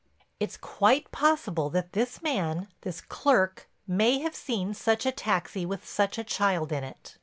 "It's quite possible that this man—this clerk—may have seen such a taxi with such a child in it.